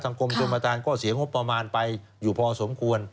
ทางกรมจังหวัดฐานก็เสียงบประมาณไปอยู่พอสมควร